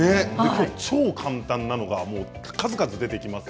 超簡単なものが数々出てきます。